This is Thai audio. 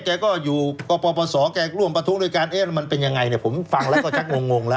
แกก็อยู่กปสแกร่วมประทงด้วยการมันเป็นยังไงผมฟังแล้วก็ชักงงแล้ว